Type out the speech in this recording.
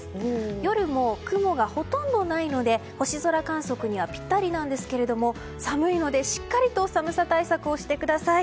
夜も雲がほとんどないので星空観測にはぴったりなんですけれども寒いのでしっかりと寒さ対策をしてください。